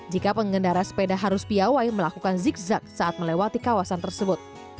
jika pengendara sepeda harus piawai melakukan zigzag saat melewati kawasan tersebut